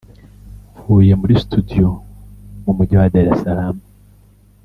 mvuye muri studio mu Mujyi wa Dar es Salaam